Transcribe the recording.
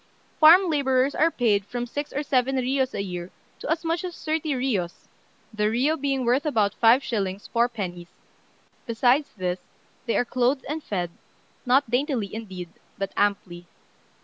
Farm labourers are paid from six or seven riyos a year to as much as thirty riyos (the riyo being worth about 5s. 4d.); besides this, they are clothed and fed, not daintily indeed, but amply.